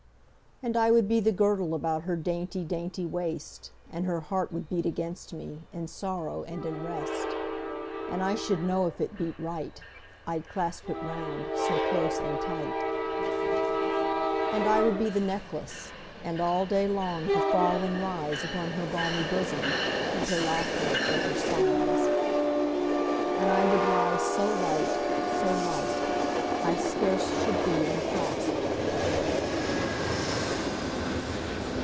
And I would be the girdle About her dainty dainty waist, And her heart would beat against me, In sorrow and in rest: 10 And I should know if it beat right, I'd clasp it round so close and tight. And I would be the necklace, And all day long to fall and rise Upon her balmy bosom, 15 With her laughter or her sighs: And I would lie so light, so light, I scarce should be unclasp'd at night.